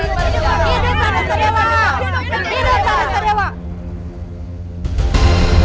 hidup pradensa dewa hidup pradensa dewa